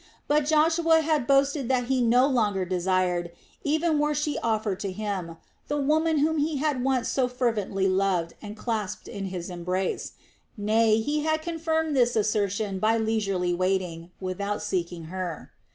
But Joshua had boasted that he no longer desired, even were she offered to him, the woman whom he had once so fervently loved and clasped in his embrace. Nay, he had confirmed this assertion by leisurely waiting, without seeking her.